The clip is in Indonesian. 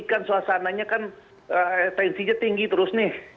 kan beberapa bulan ini kan suasananya kan tensinya tinggi terus nih